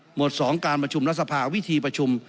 หมวดสองการประชุมรัฐสภาวิธีประชุม